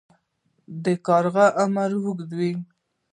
د کارغه عمر اوږد وي